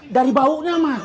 dari baunya mak